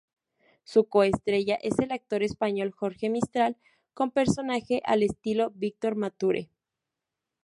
Su co-estrella es el actor español Jorge Mistral con personaje al estilo Victor Mature.